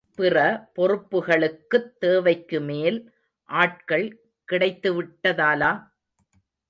பிற பொறுப்புகளுக்குத் தேவைக்குமேல் ஆட்கள் கிடைத்துவிட்டதாலா?